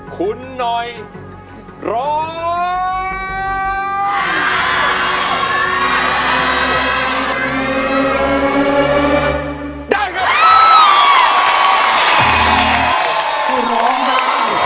สุขก็มาไม่ค่อนข้างตัว